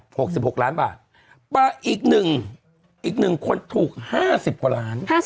๑๐๑๑ไป๑๖ล้านบาทป่ะอีก๑คนถูก๕๐ล้าน